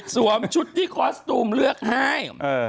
ชุดที่คอสตูมเลือกให้